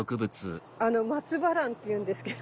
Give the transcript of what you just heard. マツバランって言うんですけど。